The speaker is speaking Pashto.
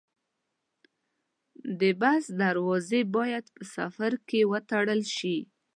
د بس دروازې باید په سفر کې وتړل شي.